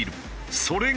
それが。